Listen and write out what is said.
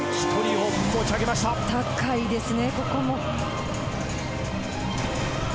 高いですね、ここも。